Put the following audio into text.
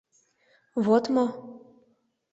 — Вот мо.